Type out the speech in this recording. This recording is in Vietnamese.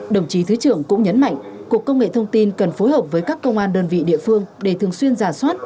đồng chí thứ trưởng cũng nhấn mạnh cục công nghệ thông tin cần phối hợp với các công an đơn vị địa phương để thường xuyên giả soát